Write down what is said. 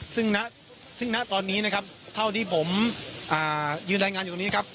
ซึ่งนะซึ่งนะตอนนี้นะครับเท่าที่ผมอ่ายืนรายงานอยู่ตรงนี้นะครับ